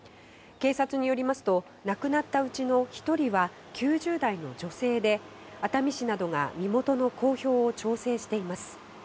警察によりますと亡くなったうちの１人は９０代の女性で熱海市などが身元の公表を調整しています。